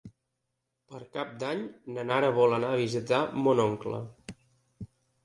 Per Cap d'Any na Nara vol anar a visitar mon oncle.